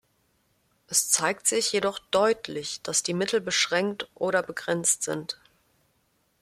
Es zeigt sich jedoch deutlich, dass die Mittel beschränkt oder begrenzt sind.